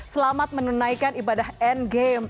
selamat menunaikan ibadah endgame